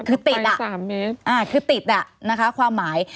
คือติดอะคือติดอะความหมาย